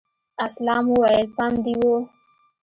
اسلام وويل پام دې و.